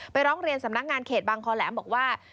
ร้องเรียนสำนักงานเขตบางคอแหลมบอกว่า